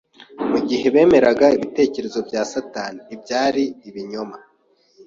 Mu gihe bemeraga ibitekerezo bya Satani, ibyari ibinyoma,